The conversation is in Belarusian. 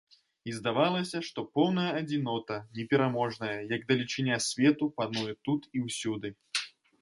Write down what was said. І здавалася, што поўная адзінота, непераможная, як далечыня свету, пануе тут і ўсюды.